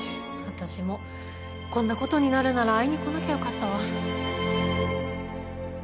私もこんな事になるなら会いに来なきゃよかったわ。